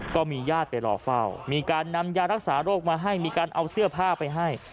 ก็มีญาติไปรอเฝ้ามีการนำยารักษาโรคมาให้มีการเอาเสื้อผ้าไปให้